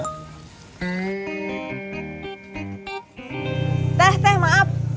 teh teh maaf